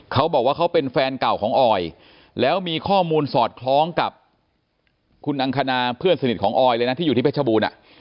เขาบอกว่าเขาเป็นแฟนเก่าของออยแล้วมีข้อมูลสอดคล้องกับคุณอังคณาเพื่อนสนิทของออยเลยนะที่อยู่ที่เพชรบูรณ์